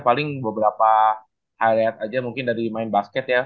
paling beberapa highlight aja mungkin dari main basket ya